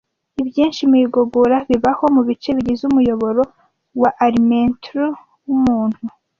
Ibyinshi mu igogora bibaho mubice bigize umuyoboro wa alimentoryi wumuntu